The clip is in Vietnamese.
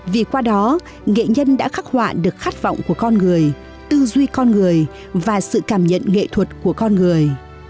vì qua đó nghệ nhân đã khắc họa được khát vọng của con người tư duy con người và sự cảm nhận nghệ thuật của con người